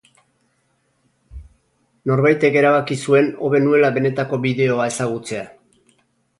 Norbaitek erabaki zuen hobe nuela benetako bideoa ezagutzea.